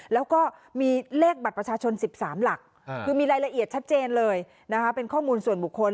แล้วก็มีเลขบัตรประชาชน๑๓หลักคือมีรายละเอียดชัดเจนเลยนะคะเป็นข้อมูลส่วนบุคคล